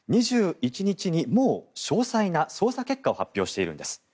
２１日にもう詳細な捜査結果を発表しているんです。